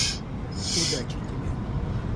Удачи тебе!